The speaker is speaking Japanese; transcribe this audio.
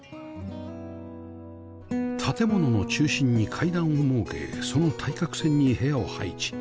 建物の中心に階段を設けその対角線に部屋を配置